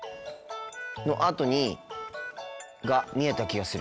のあとにが見えた気がする。